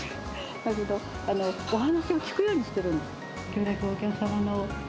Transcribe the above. だけど、お話を聞くようにしてるんです。